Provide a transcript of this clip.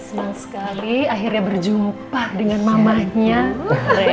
senang sekali akhirnya berjumpa dengan mamahnya